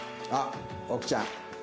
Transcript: あっ奥ちゃん。